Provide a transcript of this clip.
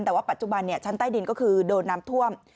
แต่ว่าปัจจุบันชั้นใต้ดินก็คือโดนน้ำท่วม